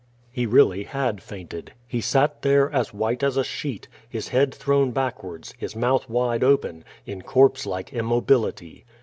He really had fainted. He sat there, as white as a sheet, his head thrown backwards, his mouth wide open, in corpse like immobility.